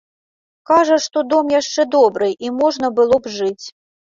Кажа, што дом яшчэ добры і можна было б жыць.